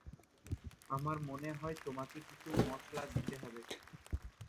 আমার মনে হয় তোমাকে কিছু মসলা দিতে হবে.